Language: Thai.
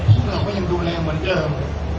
พวกเราก็ยังดูแลเหมือนเดิม